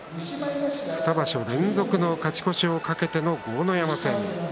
２場所連続の勝ち越しを懸けての豪ノ山戦です。